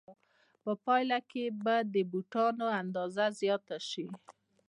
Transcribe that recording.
په پایله کې به د بوټانو اندازه زیاته شي